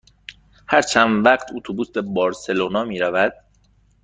هر چند وقت اتوبوس به بارسلونا می رود؟